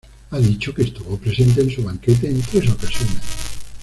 Ha dicho que estuvo presente en su banquete en tres ocasiones.